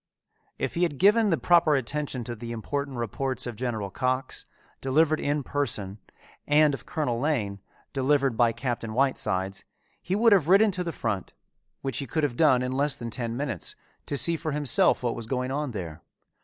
If he had given the proper attention to the important reports of General Cox, delivered in person, and of Colonel Lane, delivered by Captain Whitesides, he would have ridden to the front, which he could have done in less than ten minutes, to see for himself what was going on there.